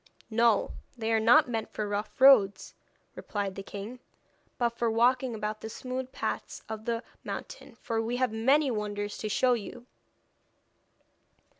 'No, they are not meant for rough roads,' replied the king, 'but for walking about the smooth paths of the mountain, for we have many wonders to show you.'